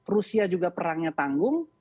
rusia juga perangnya tanggung